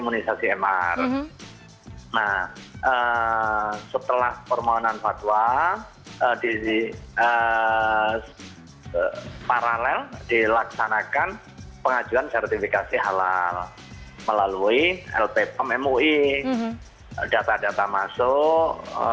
nah setelah permohonan fatwa di paralel dilaksanakan pengajuan sertifikasi halal melalui lppam mui data data masuk